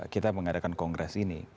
kita mengadakan kongres ini